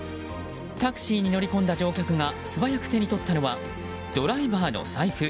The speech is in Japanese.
タクシーに乗り込んだ乗客が素早く手に取ったのはドライバーの財布。